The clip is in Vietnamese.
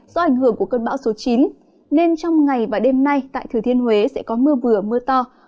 do ảnh hưởng của cơn bão số chín nên trong ngày và đêm nay tại thừa thiên huế sẽ có mưa vừa mưa to